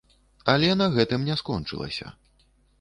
Але на гэтым не скончылася.